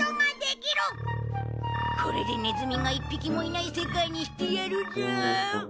これでネズミが１匹もいない世界にしてやるぞ！